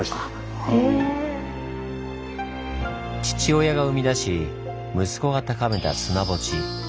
父親が生み出し息子が高めた「砂ボチ」。